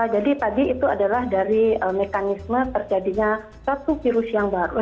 jadi tadi itu adalah dari mekanisme terjadinya satu virus yang baru